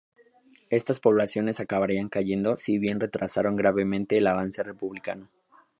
Estas poblaciones acabarían cayendo, si bien retrasaron gravemente el avance republicano.